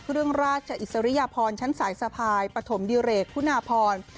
เครื่องราชอิสริยพรชั้นสายสะพายประถมดิเรกฮุนาพร